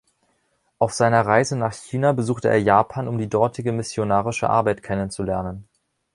Auf seiner Reise nach China besuchte er Japan, um die dortige missionarische Arbeit kennenzulernen.